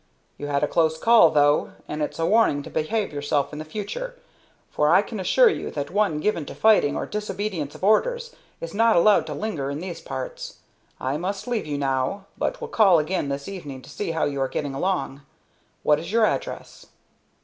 You had a close call, though, and it's a warning to behave yourself in the future; for I can assure you that one given to fighting or disobedience of orders is not allowed to linger in these parts. I must leave you now, but will call again this evening to see how you are getting along. What is your address?"